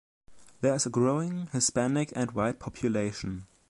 There is a growing Hispanic and White population.